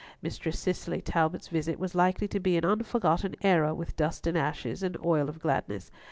Mistress Cicely Talbot's visit was likely to be an unforgotten era with Dust and Ashes and Oil of Gladness.